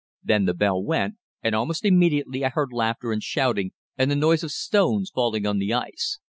Then the bell went, and almost immediately I heard laughter and shouting and the noise of stones falling on the ice.